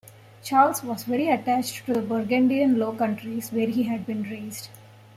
Charles was very attached to the Burgundian Low Countries where he had been raised.